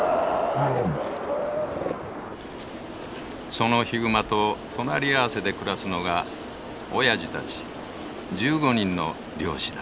そのヒグマと隣り合わせで暮らすのがおやじたち１５人の漁師だ。